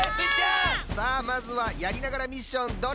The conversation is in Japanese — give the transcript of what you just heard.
さあまずはやりながらミッションどれをえらぶ？